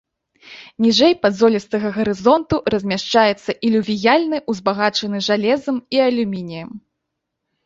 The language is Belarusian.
Ніжэй падзолістага гарызонту размяшчаецца ілювіяльны, узбагачаны жалезам і алюмініем.